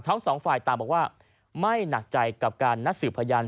ทั้งสองฝ่ายต่างบอกว่าไม่หนักใจกับการนัดสืบพยาน